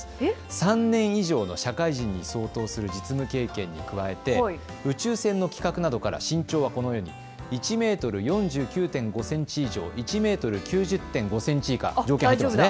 ３年以上の社会人に相当する実務経験に加えて宇宙船の規格などから身長はこのように１メートル４９．５センチ以上、１メートル９０．５センチ以下、条件入っていますね。